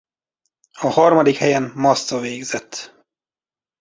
A Harmadik helyen Massa végzett.